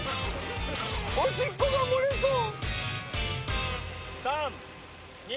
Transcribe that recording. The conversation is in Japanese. おしっこが漏れそう。